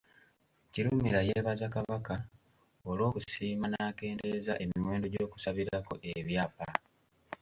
Kirumira yeebaza Kabaka olw'okusiima n’akendeeza emiwendo gy’okusabirako ebyapa.